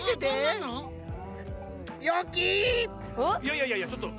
いやいやいやちょっと。